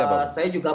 yang ideal seperti apa